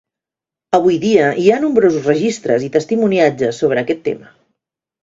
Avui dia hi ha nombrosos registres i testimoniatges sobre aquest tema.